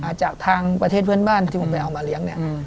จากทางประเทศเพื่อนบ้านที่ผมไปเอามาเลี้ยงเนี่ย